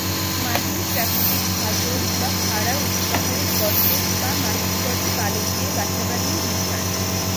মাটির প্রাকৃতিক ফাটল বা খাড়া উঁচু পাহাড়ের গর্তে বা মাটির গর্তে পালক দিয়ে বাসা বানিয়ে ডিম পাড়ে।